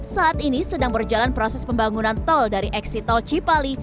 saat ini sedang berjalan proses pembangunan tol dari eksit tol cipali